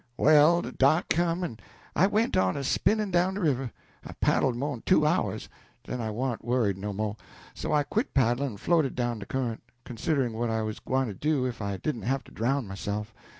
"Well, de dark come, en I went on a spinnin' down de river. I paddled mo'n two hours, den I warn't worried no mo', so I quit paddlin, en floated down de current, considerin' what I 'uz gwine to do if I didn't have to drown myself.